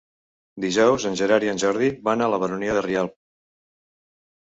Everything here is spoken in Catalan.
Dijous en Gerard i en Jordi van a la Baronia de Rialb.